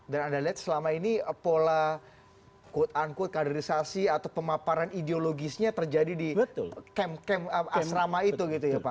dan anda lihat selama ini pola quote unquote kaderisasi atau pemaparan ideologisnya terjadi di asrama itu ya pak